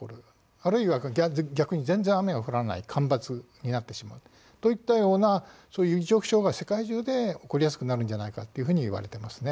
あるいは逆に全然雨が降らない干ばつになってしまうといったようなそういう異常気象が世界中で起こりやすくなるんじゃないかというふうにいわれていますね。